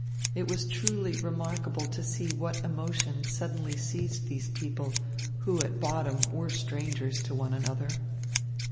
It was truly remarkable to see what emotion suddenly seized these people, who at bottom were strangers to one another.